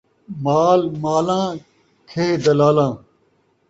مال مالاں ، کھیہ دلالاں